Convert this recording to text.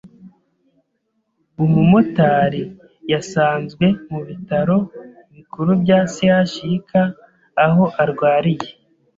umumotari) yasanzwe mu bitaro bikuru bya CHUK aho arwariye,